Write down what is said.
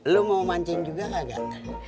lu mau mancing juga kak gata